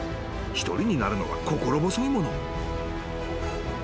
［一人になるのは心細いもの］